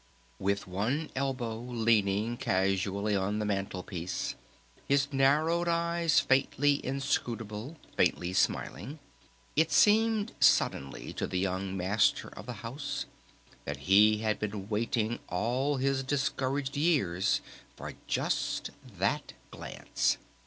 With one elbow leaning casually on the mantle piece, his narrowed eyes faintly inscrutable, faintly smiling, it seemed suddenly to the young Master of the House that he had been waiting all his discouraged years for just that glance.